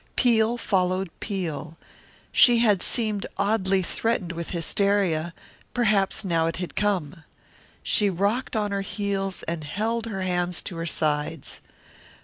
Peal followed peal. She had seemed oddly threatened with hysteria; perhaps now it had come. She rocked on her heels and held her hands to her sides.